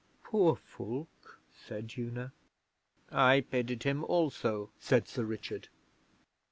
'Poor Fulke,' said Una. 'I pitied him also,' said Sir Richard.